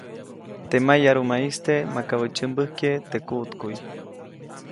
Teʼ mayarumaʼiste makabäʼ tsyämbäjkye teʼ kuʼtkuʼy.